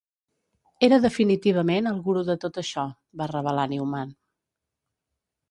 Era definitivament el gurú de tot això, va revelar Newman.